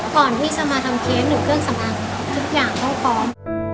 ก่อนที่จะมาทำเคสหรือเครื่องสำอางทุกอย่างต้องพร้อม